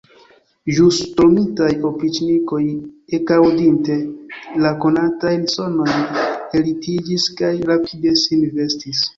Ĵus dormintaj opriĉnikoj, ekaŭdinte la konatajn sonojn, ellitiĝis kaj rapide sin vestis.